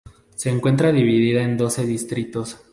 Se encuentra dividida en doce distritos.